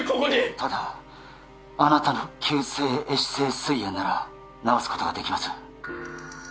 ただあなたの急性壊死性膵炎なら治すことができます